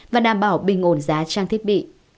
và đảm bảo bình ổn giá trang thiết bị